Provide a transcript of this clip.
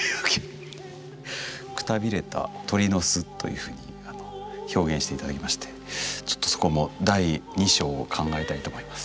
「くたびれた鳥の巣」というふうに表現して頂きましてちょっとそこも第二章を考えたいと思います。